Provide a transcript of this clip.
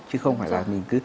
chứ không phải